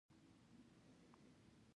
ځان ناغرضه كول